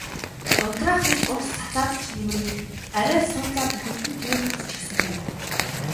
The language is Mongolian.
Унтраах гэж ус цацаад ч нэмэргүй арай л сууцаа бүхэлд нь түймэрдчихсэнгүй.